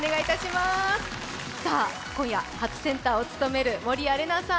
今夜、初センターを務める守屋麗奈さん！